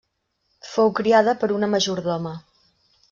Fou criada per una majordoma: